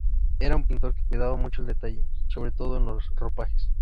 Era un pintor que cuidaba mucho el detalle, sobre todo en los ropajes.